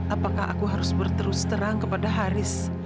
apakah aku harus berterus terang kepada haris